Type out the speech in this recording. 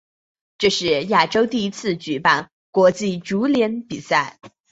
这是亚洲第一次举办国际足联比赛。